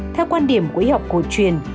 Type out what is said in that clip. theo quan điểm của y học cổ truyền